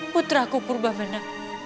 putra kupur bavana